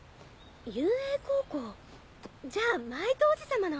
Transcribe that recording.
雄英高校じゃあマイトおじ様の。